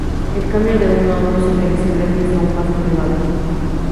El cambio de uno a otro se realiza gracias a un paso elevado.